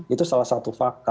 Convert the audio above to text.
itu salah satu fakta